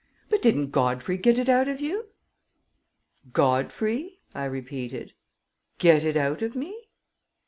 "But didn't Godfrey get it out of you?" "Godfrey?" I repeated. "Get it out of me?"